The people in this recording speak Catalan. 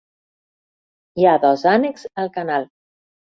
Hi ha dos ànecs al canal.